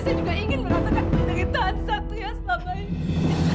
saya juga ingin merasakan penderitaan satria selama ini